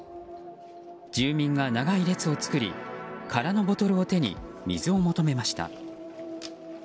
住民が長い列を作り空のボトルを手に水を求めました。